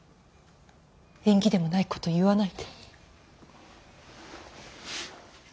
縁起でもないこと言わないで。